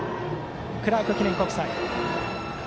クラーク記念国際。